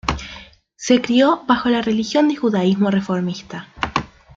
Se crió bajo la religión de Judaísmo reformista.